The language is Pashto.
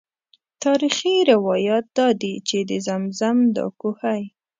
تاریخي روایات دادي چې د زمزم دا کوهی.